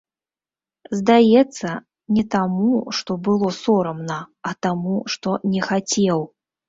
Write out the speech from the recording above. Здаецца, не таму, што было сорамна, а таму, што не хацеў.